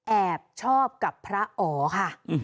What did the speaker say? แอบชอบกับพระอ๋อค่ะ